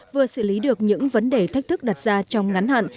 vừa xử lý được những vấn đề thách thức đặt ra trong ngắn hạn